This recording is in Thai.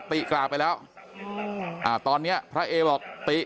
ติกราบไปแล้วอ่าตอนเนี้ยพระเอบอกติ